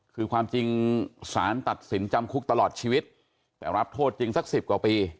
คือความจริงสารตัดสินจำคุกตลอดชีวิตแต่รับโทษจริงสัก๑๐กว่าปี